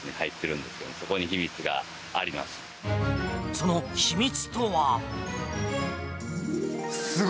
その秘密とは。